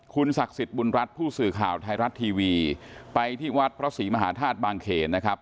คุณศักดิ์สิทธิ์บุญรัฐผู้สื่อข่าวไทยรัฐทีวีไปที่วัดพระศรีมหาธาตุบางเขนนะครับ